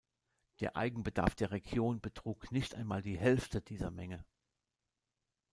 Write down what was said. Der Eigenbedarf der Region betrug nicht einmal die Hälfte dieser Menge.